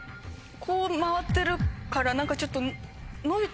こう回ってるから何かちょっと。